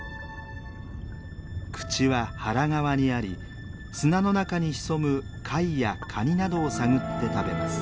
口は腹側にあり砂の中に潜む貝やカニなどを探って食べます。